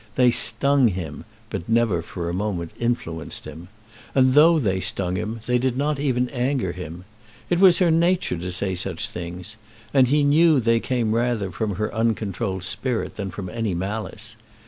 They stung him, but never for a moment influenced him. And though they stung him, they did not even anger him. It was her nature to say such things, and he knew that they came rather from her uncontrolled spirit than from any malice.